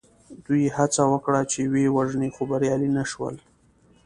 دوی هڅه وکړه چې ویې وژني خو بریالي نه شول.